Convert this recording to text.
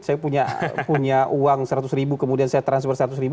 saya punya uang seratus ribu kemudian saya transfer seratus ribu